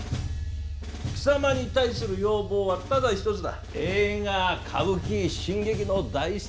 貴様に対する要望はただ１つだ。